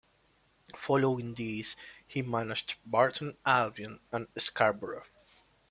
Following this he managed Burton Albion and Scarborough.